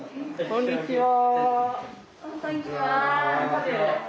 こんにちは。